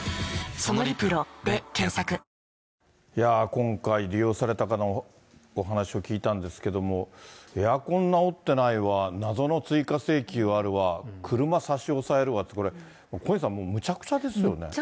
今回利用された方のお話を聞いたんですけども、エアコン直ってないわ、謎の追加請求はあるわ、車差し押さえるわって、これ、小西さん、むちゃくちゃですよね。